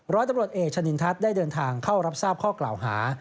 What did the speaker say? ร้อยตำรวจเอกชะนินทัศน์ได้เดินทางเข้ารับทราบข้อกล่าวหา